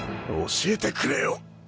教えてくれよ。